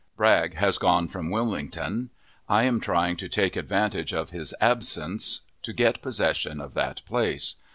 Bragg has gone from Wilmington. I am trying to take advantage of his absence to get possession of that place.